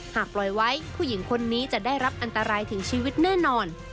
หากปล่อยไว้ผู้หญิงคนนี้จะได้รับอันตรายถึงชีวิตแน่นอน